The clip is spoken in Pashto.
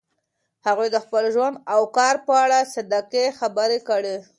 هغې د خپل ژوند او کار په اړه صادقې خبرې کړي.